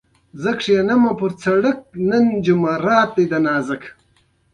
د احمد کره غل ور لوېدلی وو؛ ګوری موری يې ونيو.